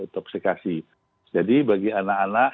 topsifikasi jadi bagi anak anak